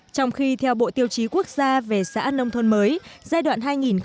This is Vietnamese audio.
trong khi theo bộ tiêu chí quốc gia về xã nông thôn mới giai đoạn hai nghìn một mươi sáu hai nghìn hai mươi